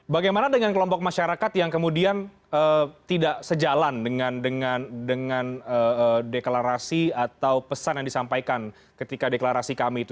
bagaimana dengan kelompok masyarakat yang kemudian tidak sejalan dengan deklarasi atau pesan yang disampaikan ketika deklarasi kami itu